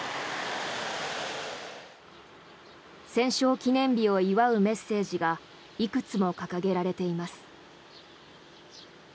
戦勝記念日を祝うメッセージがいくつも掲げられています。